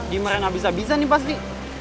di merenang bisa bisa nih pasti